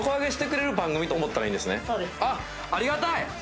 あっありがたい！